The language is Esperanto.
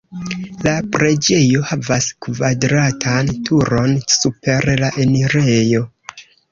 La preĝejo havas kvadratan turon super la enirejo.